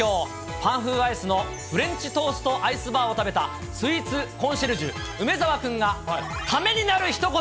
パン風アイスのフレンチトーストアイスバーを食べたスイーツコンシェルジュ、梅澤君がためになるひと言！